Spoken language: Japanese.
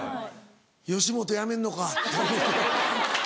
「吉本辞めんのか」。